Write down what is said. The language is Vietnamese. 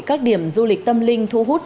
các điểm du lịch tâm linh thu hút